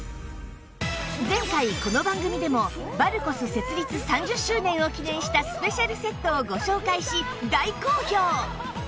前回この番組でもバルコス設立３０周年を記念したスペシャルセットをご紹介し大好評！